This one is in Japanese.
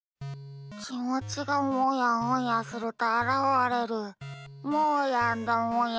きもちがもやもやするとあらわれるもーやんだもや。